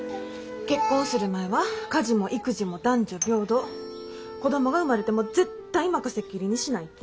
結婚する前は「家事も育児も男女平等子供が生まれても絶対任せっきりにしない」って約束したのに。